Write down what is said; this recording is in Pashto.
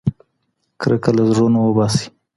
کرکه له زړونو وباسئ.